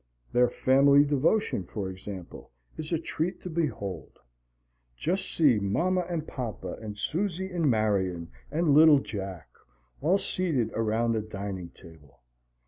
Their family devotion, for example, is a treat to behold. Just see Mama and Papa and Susie and Marian and little Jack, all seated around the dining table!